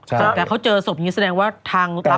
แต่เขาเจอศพอย่างนี้แสดงว่าทางรับ